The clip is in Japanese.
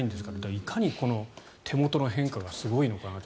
いかに手元の変化がすごいのかなと。